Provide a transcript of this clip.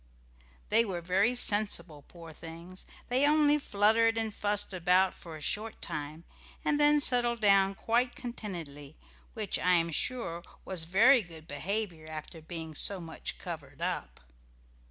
They were very sensible, poor things, they only fluttered and fussed about for a short time, and then settled down quite contentedly, which, I am sure, was very good behaviour after being so much covered up.